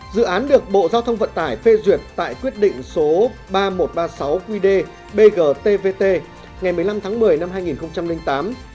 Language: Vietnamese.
dự án được bộ giao thông vận tải phê duyệt tại quyết định số ba nghìn một trăm ba mươi sáu qd bg tvt ngày một mươi năm tháng một mươi năm hai nghìn tám